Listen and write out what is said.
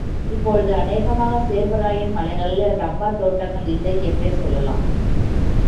இப்பொழுது அநேகமாகச் சேர்வராயன் மலைகளில் இரப்பர் தோட்டங்கள் இல்லை என்றே சொல்லலாம்.